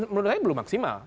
menurut saya belum maksimal